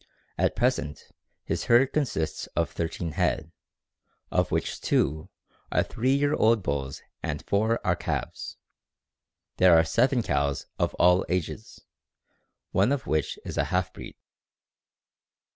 At present his herd consists of thirteen head, of which two are three year old bulls and four are calves. There are seven cows of all ages, one of which is a half breed.